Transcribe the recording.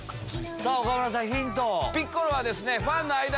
さぁ岡村さんヒントを。